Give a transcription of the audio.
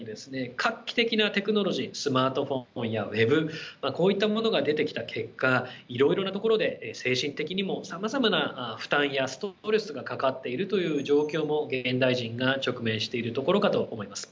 画期的なテクノロジースマートフォンやウェブこういったものが出てきた結果いろいろなところで精神的にもさまざまな負担やストレスがかかっているという状況も現代人が直面しているところかと思います。